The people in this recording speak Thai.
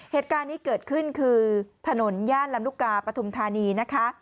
เหตุการณ์นี้เกิดขึ้นคือถนนย่านลำลูกกาปฐุมธานีนะคะ